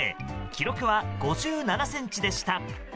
記録は５７ｃｍでした。